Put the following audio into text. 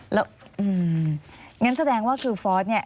อย่างนั้นแสดงว่าคือฟ้อส